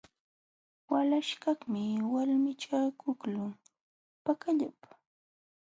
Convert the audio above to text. Walaśhkaqmi walmichakuqlun pakallapa.